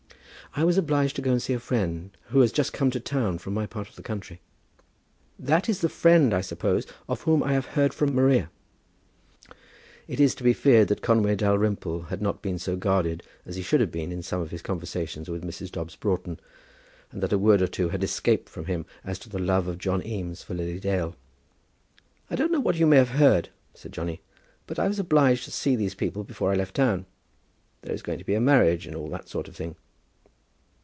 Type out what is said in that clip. "I was obliged to go and see a friend who has just come to town from my part of the country." "That is the friend, I suppose, of whom I have heard from Maria." It is to be feared that Conway Dalrymple had not been so guarded as he should have been in some of his conversations with Mrs. Dobbs Broughton, and that a word or two had escaped from him as to the love of John Eames for Lily Dale. "I don't know what you may have heard," said Johnny, "but I was obliged to see these people before I left town. There is going to be a marriage and all that sort of thing."